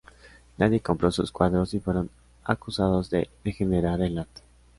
Nadie compró sus cuadros y fueron acusados de degenerar el arte".